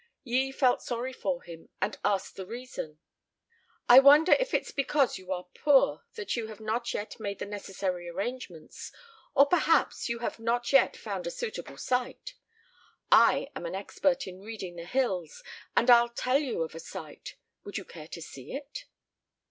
Yi felt sorry for him, and asked the reason. "I wonder if it's because you are poor that you have not yet made the necessary arrangements, or perhaps you have not yet found a suitable site! I am an expert in reading the hills, and I'll tell you of a site; would you care to see it?"